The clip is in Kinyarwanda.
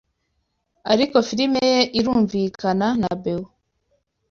ariko filime ye irumvikana na Bewo